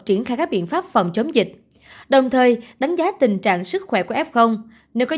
triển khai các biện pháp phòng chống dịch đồng thời đánh giá tình trạng sức khỏe của f nếu có